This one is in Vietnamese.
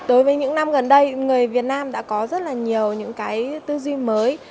đối với những năm gần đây người việt nam đã có rất là nhiều những cái tư duy mới